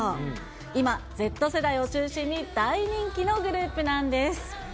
今、Ｚ世代を中心に大人気のグループなんです。